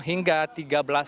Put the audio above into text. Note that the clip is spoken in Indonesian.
hingga tiga belas september